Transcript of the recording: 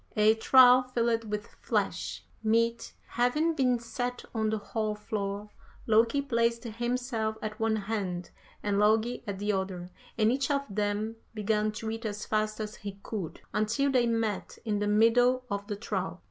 A trough filled with flesh meat having been set on the hall floor, Loki placed himself at one end, and Logi at the other, and each of them, began to eat as fast as he could, until they met in the middle of the trough.